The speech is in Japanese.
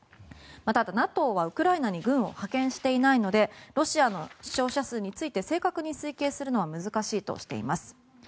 また、ＮＡＴＯはウクライナに軍を派遣していないのでロシアの死傷者数について正確に推計することは難しいとしています。